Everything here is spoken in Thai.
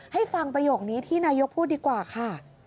ให้ฟังประโยคนี้ที่นายกพูดดีกว่าค่ะ